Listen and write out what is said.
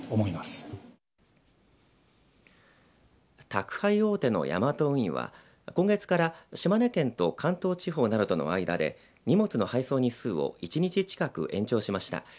宅配大手のヤマト運輸は今月から島根県と関東地方などとの間で荷物の配送日数を１日近く延長しました。